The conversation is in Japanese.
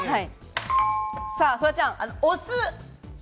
フワちゃん。お酢。